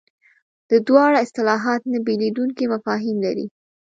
دا دواړه اصطلاحات نه بېلېدونکي مفاهیم لري.